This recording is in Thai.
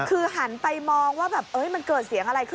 คือหันไปมองว่าแบบมันเกิดเสียงอะไรขึ้น